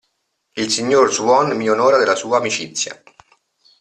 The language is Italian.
Il signor Swan mi onora della sua amicizia.